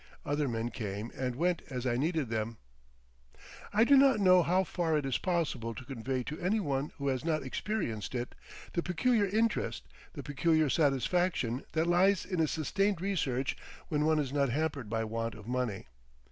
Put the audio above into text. Other men came and went as I needed them. I do not know how far it is possible to convey to any one who has not experienced it, the peculiar interest, the peculiar satisfaction that lies in a sustained research when one is not hampered by want of money.